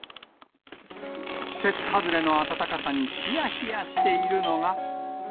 季節外れの暖かさにひやひやしているのが。